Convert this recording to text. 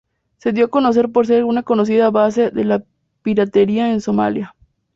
Se dio a conocer por ser una conocida base de la piratería en Somalia.